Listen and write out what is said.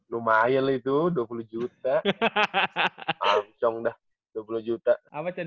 lumayan lah itu dua puluh juta